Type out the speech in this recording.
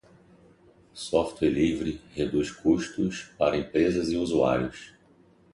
Software livre reduz custos para empresas e usuários.